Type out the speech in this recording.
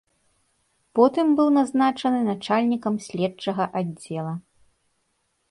Потым быў назначаны начальнікам следчага аддзела.